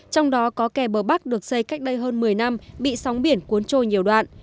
trong đó có kè bờ bắc được xây cách đây hơn một mươi năm bị sóng biển cuốn trôi nhiều đoạn